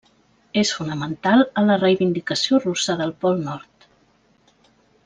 És fonamental en la reivindicació russa del pol nord.